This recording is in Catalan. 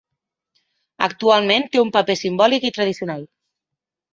Actualment té un paper simbòlic i tradicional.